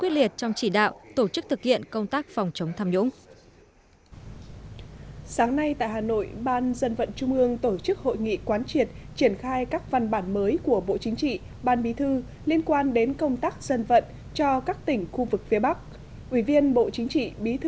ủy viên bộ chính trị bí thư trung ương đảng trưởng ban dân vận trung ương trương thị mai chủ trì hội nghị